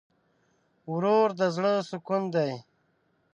ورور د زړه سکون دی.